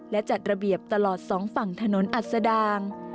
และจัดระเบียบตลอดสองฝั่งถนนอัศดาง